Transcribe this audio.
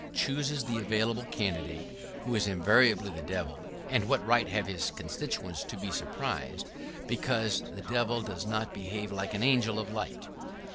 chooses the available candidate — who is invariably the Devil — and what right have his constituents to be surprised, because the Devil does not behave like an angel of light?